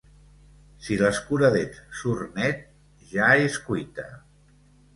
Si l’escuradents surt net, ja és cuita.